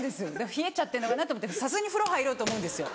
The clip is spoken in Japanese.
冷えちゃってんのかなと思ってさすがに風呂入ろうと思うんです。